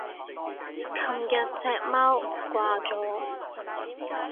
琴日隻貓掛咗